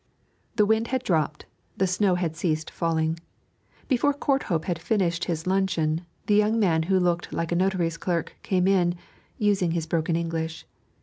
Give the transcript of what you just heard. The wind had dropped, the snow had ceased falling. Before Courthope had finished his luncheon the young man who looked like a notary's clerk came in, using his broken English.